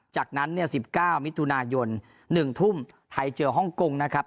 จากนั้นเนี่ย๑๙มิถุนายน๑ทุ่มไทยเจอฮ่องกงนะครับ